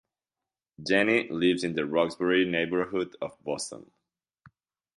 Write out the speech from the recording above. Janey lives in the Roxbury neighborhood of Boston.